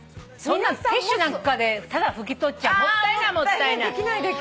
ティッシュなんかで拭き取っちゃもったいないもったいない。